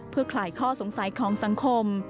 เพื่อคลายข้อสงสัยของสังคม